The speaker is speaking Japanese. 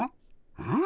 うん？